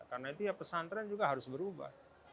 karena itu pesantren juga harus berubah